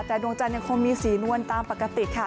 แต่ดวงจันทร์ยังคงมีสีนวลตามปกติค่ะ